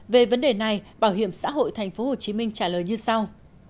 về vấn đề này bảo hiểm xã hội tp hcm trả lời như sau